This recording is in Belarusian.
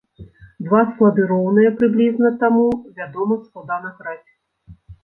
Два склады роўныя прыблізна, таму, вядома, складана граць.